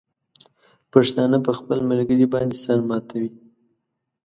پښتانه په خپل ملګري باندې سر ماتوي.